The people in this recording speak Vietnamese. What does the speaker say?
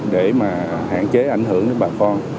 để mà hạn chế ảnh hưởng đến bà con